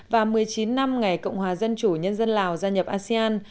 và một mươi chín năm ngày cộng hòa dân chủ nhân dân lào gia nhập asean